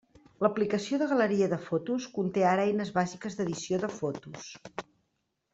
L'aplicació de galeria de fotos conté ara eines bàsiques d'edició de fotos.